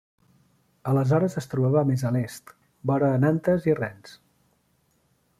Aleshores es trobava més a l'est, vora Nantes i Rennes.